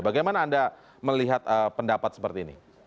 bagaimana anda melihat pendapat seperti ini